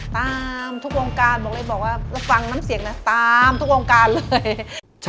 ตามทุกวงการบอกเลยบอกว่ารับฟังน้ำเสียงนะตามทุกวงการเลย